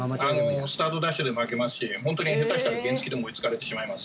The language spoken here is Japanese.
スタートダッシュで負けますし本当に下手したら原付きでも追いつかれてしまいます。